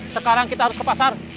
sekarang kita harus ke pasar